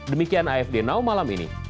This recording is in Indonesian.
demikian afd now malam ini